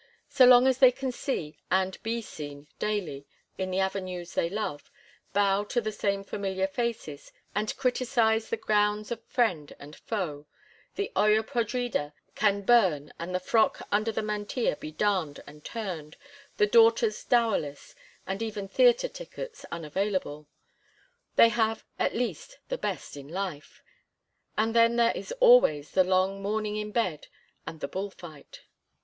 So long as they can see and be seen daily in the avenues they love, bow to the same familiar faces, and criticise the gowns of friend and foe, the olla podrida can burn and the frock under the mantilla be darned and turned, the daughters dowerless, and even theatre tickets unavailable. They have, at least, the best in life; and then there is always the long morning in bed and the bull fight.